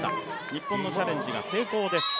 日本のチャレンジが成功です。